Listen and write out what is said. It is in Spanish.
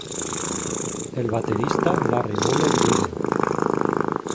El baterista Larry Mullen, Jr.